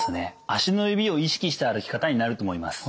足の指を意識した歩き方になると思います。